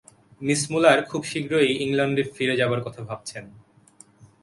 Miss Muller খুব শীঘ্রই ইংলণ্ডে ফিরে যাবার কথা ভাবছেন।